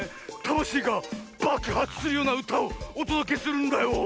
たましいがばくはつするようなうたをおとどけするんだよ。